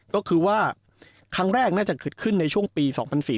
ก็คือว่าครั้งแรกน่าจะเกิดขึ้นในช่วงปี๒๔๔